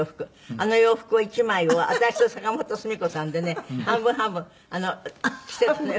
あの洋服１枚を私と坂本スミ子さんでね半分半分着ていたのよ。